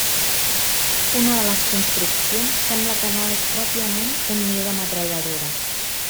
Una de les construccions sembla que no és pròpiament un niu de metralladora.